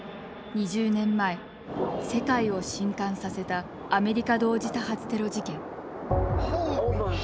２０年前世界を震撼させたアメリカ同時多発テロ事件。